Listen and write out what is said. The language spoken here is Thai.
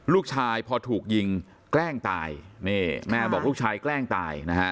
ลูกชายพอถูกยิงแกล้งตายนี่แม่บอกลูกชายแกล้งตายนะฮะ